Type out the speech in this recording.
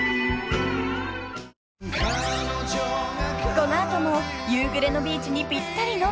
［この後も夕暮れのビーチにぴったりの名曲］